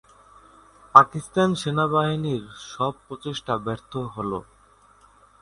পাকিস্তান সেনাবাহিনীর সব প্রচেষ্টা ব্যর্থ হলো।